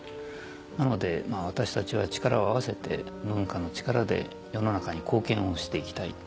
なので私たちは力を合わせて文化の力で世の中に貢献をしていきたい。